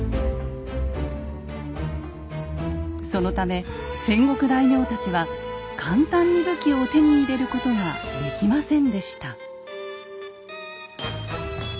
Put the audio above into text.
そのため戦国大名たちは簡単に武器を手に入れることができませんでした。